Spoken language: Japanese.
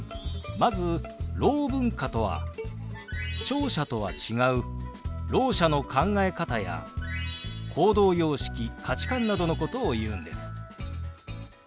まずろう文化とは聴者とは違うろう者の考え方や行動様式価値観などのことを言うんです。